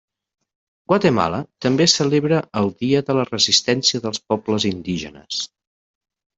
Guatemala també celebra el dia de la Resistència dels Pobles Indígenes.